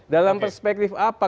dalam perspektif apa